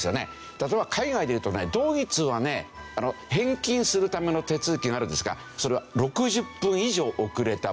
例えば海外でいうとねドイツはね返金するための手続きがあるんですがそれは６０分以上遅れた場合。